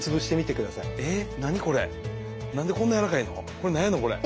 これ何やねんこれ。